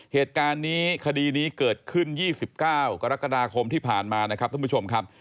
เหตุการณ์นี้คดีนี้เกิดขึ้น๒๙กรกฎาคมที่ผ่านมานะครับท่านผู้ชมครับ